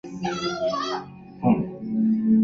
窄瓣毛茛为毛茛科毛茛属下的一个种。